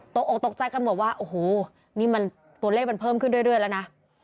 โต๊ะอกตกใจกันว่าว่าโอ้โฮตัวเลขมันเพิ่มขึ้นเรื่อยแล้วนะ